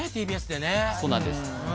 ＴＢＳでねそうなんです